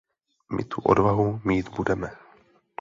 My tu odvahu mít budeme.